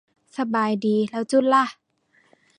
สบายดี แล้วจูนล่ะ